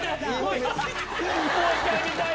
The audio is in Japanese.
もう１回見たい！